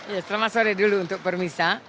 ya selamat sore dulu untuk permisa